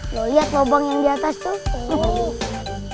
lo liat lobang yang diatas tuh